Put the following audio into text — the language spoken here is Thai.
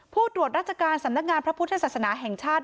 ผู้ตรวจราชการสำนักงานพระพุทธศาสนาแห่งชาติ